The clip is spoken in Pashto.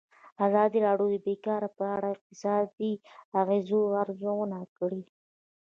ازادي راډیو د بیکاري په اړه د اقتصادي اغېزو ارزونه کړې.